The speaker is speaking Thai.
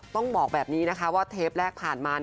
ต้องบอกแบบนี้นะคะว่าเทปแรกผ่านมา